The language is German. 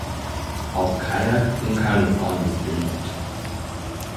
Auch Kajak- und Kanufahren ist beliebt.